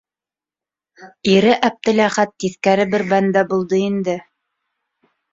Ире, Әптеләхәт, тиҫкәре бер бәндә булды инде.